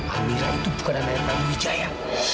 amirah itu bukan anaknya prabu wijaya